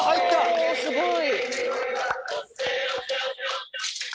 すごい！